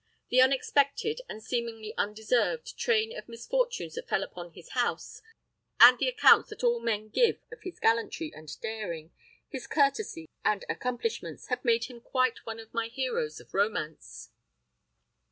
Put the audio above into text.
The unexpected, and seemingly undeserved, train of misfortunes that fell upon his house, and the accounts that all men give of his gallantry and daring, his courtesy and accomplishments, have made him quite one of my heroes of romance."